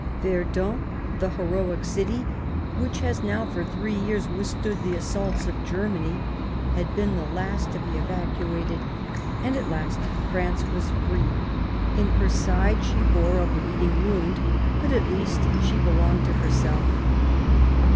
Verdun, the heroic city, which has now for three years withstood the assaults of Ger m^any, had been the last to be evacuated, and, at last, France was free ; in her side she bore a bleeding wound, but, at least, she belonged to herself.